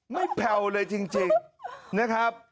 แผ่วเลยจริงนะครับ